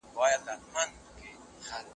د لیکوالو ورځ د هغوی د شخصیت لمانځنه ده.